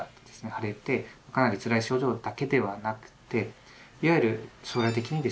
腫れてかなりつらい症状だけではなくていわゆる将来的にですね